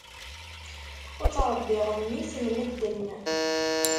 Ur ttrebbiɣ mmi-s n medden.